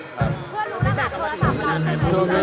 เพื่อนรู้นะฮะโทรศัพท์ร้าน